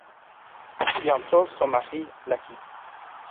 Bientôt son mari la quitte.